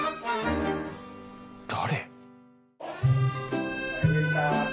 誰？